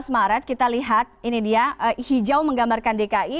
lima belas maret kita lihat ini dia hijau menggambarkan dki